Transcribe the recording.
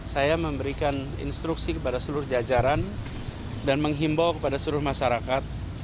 saya memberikan instruksi kepada seluruh jajaran dan menghimbau kepada seluruh masyarakat